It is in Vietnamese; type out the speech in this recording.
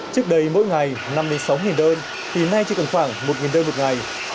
trước đây mỗi ngày năm mươi sáu đơn thì nay chỉ cần khoảng một đơn một ngày